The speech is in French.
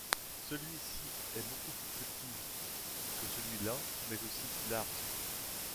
Celui-ci est beaucoup plus petit que celui-là, mais aussi plus large.